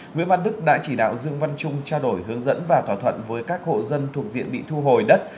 nguyễn văn đức đã chỉ đạo dương văn trung trao đổi hướng dẫn và thỏa thuận với các hộ dân thuộc diện bị thu hồi đất